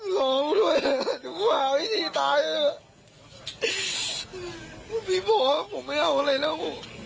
ร้องด้วยทุกผู้หาวิทยุตายพี่บอกว่าผมไม่เอาอะไรแล้ว